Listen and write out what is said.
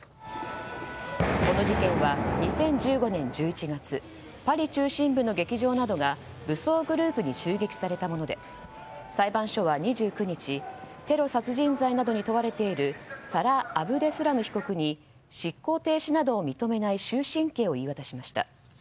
この事件は２０１５年１１月パリ中心部の劇場などが武装グループに襲撃されたもので裁判所は２９日テロ殺人罪などに問われているサラ・アブデスラム被告に執行停止などを認めない終身刑を言い渡しました。